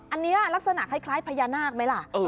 อันนี้ลักษณะคล้ายพญานาคไหมล่ะ